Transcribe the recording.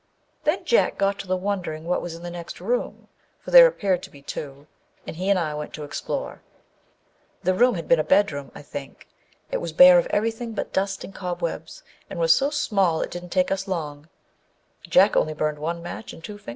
Then Jack got to wondering what was in the next room, for there appeared to be two, and he and I went to explore. The room had been a bedroom, I think. It was bare of everything but dust and cobwebs, and was so small it didn't take us long â Jack only burned one match and two fingers.